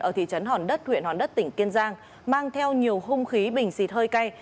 ở thị trấn hòn đất huyện hòn đất tỉnh kiên giang mang theo nhiều hung khí bình xịt hơi cay